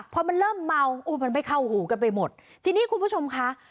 พอมันเริ่มเมาอุ้ยมันไม่เข้าหูกันไปหมดทีนี้คุณผู้ชมค่ะ